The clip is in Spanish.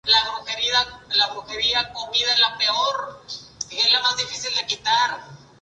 Las plataformas de esta terminal, poseen acceso para personas portadoras de discapacidades físicas.